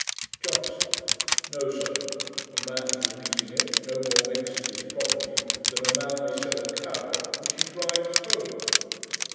JOHNSON. 'No, sir; a man's repeating it no more makes it his property, than a man may sell a cow which he drives home.'